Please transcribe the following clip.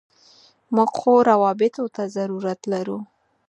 موږ ښو راوبطو ته ضرورت لرو.